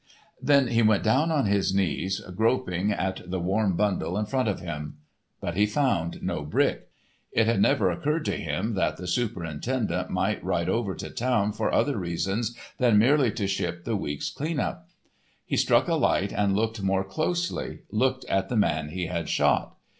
Then he went down on his knees, groping at the warm bundle in front of him. But he found no brick. It had never occurred to him that the superintendent might ride over to town for other reasons than merely to ship the week's cleanup. He struck a light and looked more closely—looked at the man he had shot.